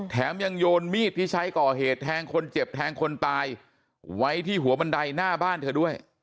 แถมยังโยนมีดที่ใช้ก่อเหตุแทงคนเจ็บแทงคนตายไว้ที่หัวบันไดหน้าบ้านเธอด้วย